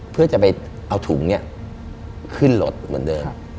เพื่อจะไปเอาถุงนี้ขึ้นรถเหมือนเดิม